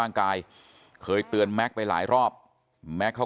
ตรของหอพักที่อยู่ในเหตุการณ์เมื่อวานนี้ตอนค่ำบอกให้ช่วยเรียกตำรวจให้หน่อย